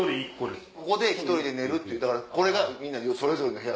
ここで１人で寝るっていうだからこれがそれぞれの部屋。